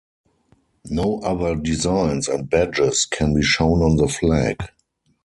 No other designs and badges can be shown on the flag.